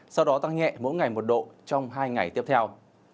sau đó tăng nhẹ mỗi ngày một độ trong hai ngày tiếp theo